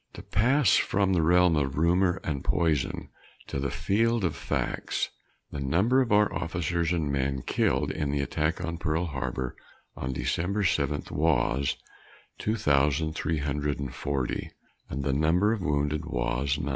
To pass from the realm of rumor and poison to the field of facts: the number of our officers and men killed in the attack on Pearl Harbor on December seventh was 2,340, and the number wounded was 940.